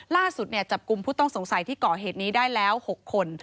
ล่าสุดจับกลุ่มผู้ต้องสงสัยที่ก่อเหตุนี้ได้แล้ว๖คน